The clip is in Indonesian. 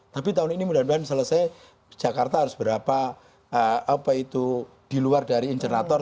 tapi tahun ini mudah mudahan selesai jakarta harus berapa apa itu di luar dari insentor